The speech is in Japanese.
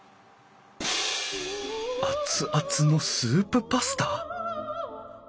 熱々のスープパスタ！？